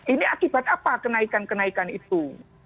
ini akibat apa kenaikan kenaikan itu